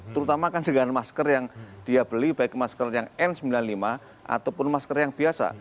terutama kan dengan masker yang dia beli baik masker yang n sembilan puluh lima ataupun masker yang biasa